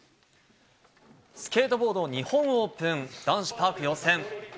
スケートボード日本オープン男子パーク予選。